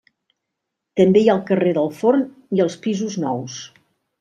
També hi ha el carrer del forn i els pisos nous.